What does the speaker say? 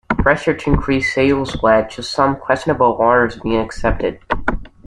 Pressure to increase sales led to some questionable orders being accepted.